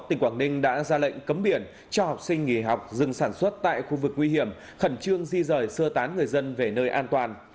tỉnh quảng ninh đã ra lệnh cấm biển cho học sinh nghỉ học dừng sản xuất tại khu vực nguy hiểm khẩn trương di rời sơ tán người dân về nơi an toàn